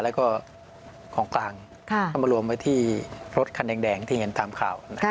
แล้วก็ของกลางเอามารวมไว้ที่รถคันแดงที่เห็นตามข่าว